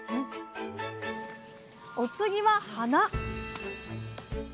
お次は花！